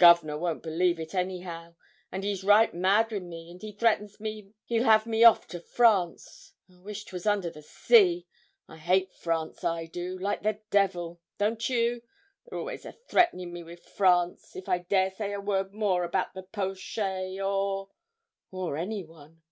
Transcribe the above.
'Gov'nor won't believe it anyhow; and he's right mad wi' me; and he threatens me he'll have me off to France; I wish 'twas under the sea. I hate France I do like the devil. Don't you? They're always a threatening me wi' France, if I dare say a word more about the po'shay, or or anyone.'